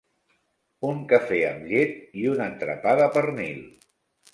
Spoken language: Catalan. Un cafè amb llet i un entrepà de pernil.